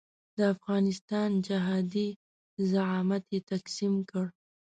د افغانستان جهادي زعامت یې تقسیم کړ.